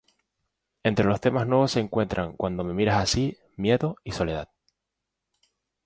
Entre los temas nuevos se encuentran "Cuando me miras así", "Miedo" y "Soledad".